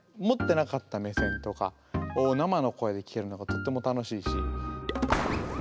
持ってなかった目線とかを生の声で聞けるのがとっても楽しいし。